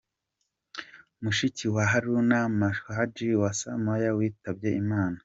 Mushiki wa Haruna na Muhadjili Hawa Sumaya witabye Imana.